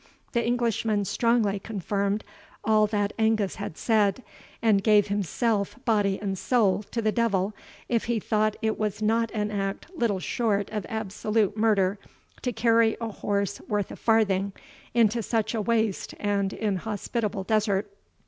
The Englishman strongly confirmed all that Angus had said, and gave himself, body and soul, to the devil, if he thought it was not an act little short of absolute murder to carry a horse worth a farthing into such a waste and inhospitable desert.